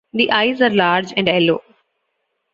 The eyes are large and yellow.